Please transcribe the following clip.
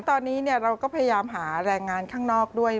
ตอนนี้เราก็พยายามหาแรงงานข้างนอกด้วย